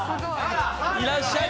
いらっしゃいます。